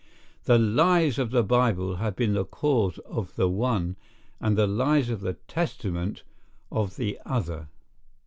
The lies of the Bible have been the cause of the one, and the lies of the Testament [of] the other.